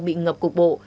bị ngập cục bộ